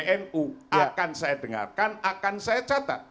kalau yang saya dengarkan akan saya catat